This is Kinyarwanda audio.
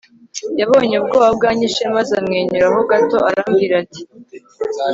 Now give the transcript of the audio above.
yabonye ubwoba bwanyishe maze amwenyura ho gato arambwira ati